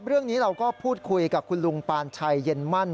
เรื่องนี้เราก็พูดคุยกับคุณลุงปานชัยเย็นมั่น